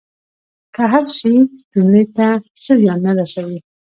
که حذف شي جملې ته څه زیان نه رسوي.